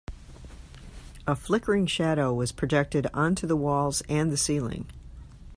A flickering shadow was projected onto the walls and the ceiling.